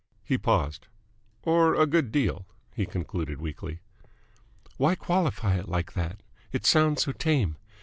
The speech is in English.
He paused. "Or a good deal," he concluded weakly. "Why qualify it like that? It sounds so tame.